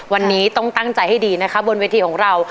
วันนี้ต้องตั้งใจให้ดีนะคะบนเวทีของเรา